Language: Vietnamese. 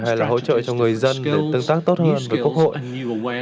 hay là hỗ trợ cho người dân tương tác tốt hơn với quốc hội